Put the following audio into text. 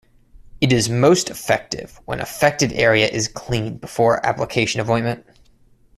It is most effective when affected area is cleaned before application of ointment.